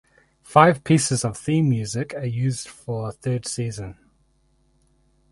Five pieces of theme music are used for third season.